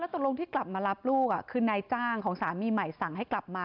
ตกลงที่กลับมารับลูกคือนายจ้างของสามีใหม่สั่งให้กลับมา